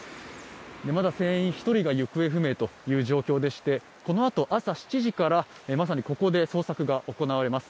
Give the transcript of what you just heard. まだ船員１人が行方不明という状況でして、このあと、朝７時からまさにここで捜索が行われます。